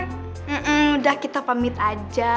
nggak udah kita pamit aja